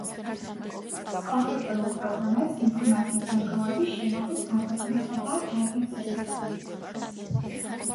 კერძოდ, ის იყენებს კომპიუტერულ ტექნიკას, კომპიუტერულ პროგრამებს ინფორმაციის დაგროვების, შენახვის, გარდაქმნისა და გადაცემისათვის.